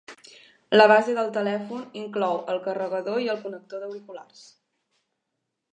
La base del telèfon inclou el carregador i el connector d'auriculars.